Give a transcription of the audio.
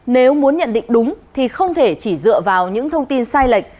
nếu muốn nhận định đúng thì không thể chỉ dựa vào những thông tin sai lệch